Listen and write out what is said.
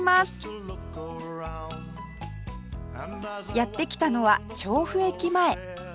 やって来たのは調布駅前